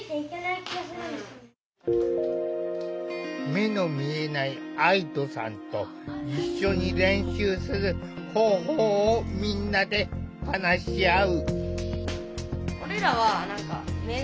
目の見えない愛土さんと一緒に練習する方法をみんなで話し合う。